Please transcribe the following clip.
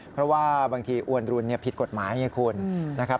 เพราะว่าบางทีอวนรุนผิดกฎหมายไงคุณนะครับ